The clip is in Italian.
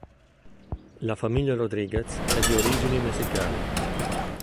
La famiglia Rodriguez è di origini messicane.